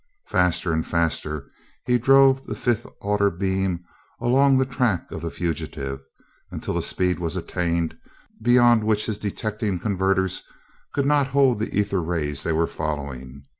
Faster and faster he drove that fifth order beam along the track of the fugitive, until a speed was attained beyond which his detecting converters could not hold the ether rays they were following.